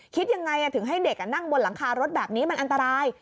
คิดยังไงถึงให้เด็กนั่งบนหลังคารถแบบนี้มันอันตราย